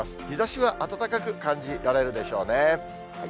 日ざしは暖かく感じられるでしょうね。